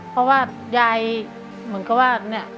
เพราะว่ายายเหมือนกับว่าเนี่ย